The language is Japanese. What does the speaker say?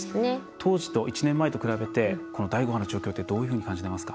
当時と１年前と比べて第５波の状況ってどういうふうに感じていますか？